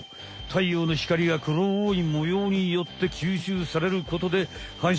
たいようの光が黒い模様によって吸収されることではん